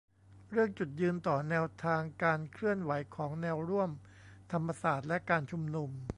เรื่อง จุดยืนต่อแนวทางการเคลื่อนไหวของแนวร่วมธรรมศาสตร์และการชุมนุม